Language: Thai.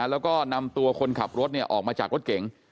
แล้วก็นำตัวคนขับรถออกมาจากรถเก๋ง